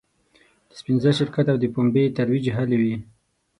د سپین زر شرکت او د پومبې ترویج هلې وې.